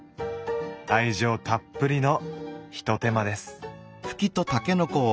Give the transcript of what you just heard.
愛情たっぷりのひと手間です。